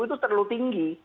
itu terlalu tinggi